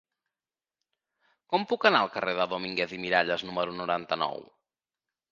Com puc anar al carrer de Domínguez i Miralles número noranta-nou?